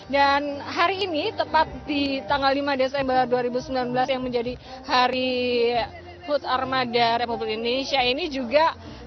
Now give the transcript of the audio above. dan hari ini tepat di tanggal lima desember dua ribu sembilan belas yang menjadi hari kud armada republik indonesia ini juga